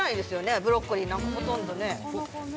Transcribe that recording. ブロッコリーなんか、ほとんどね。